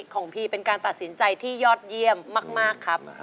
ของพี่เป็นการตัดสินใจที่ยอดเยี่ยมมากครับ